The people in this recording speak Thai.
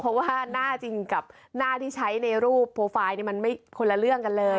เพราะว่าหน้าจริงกับหน้าที่ใช้ในรูปโปรไฟล์มันคนละเรื่องกันเลย